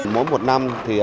mỗi một năm thì